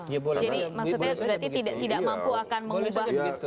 jadi maksudnya sudah tidak mampu akan mengubah konstelasi sejauh itu